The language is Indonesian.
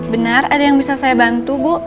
benar ada yang bisa saya bantu bu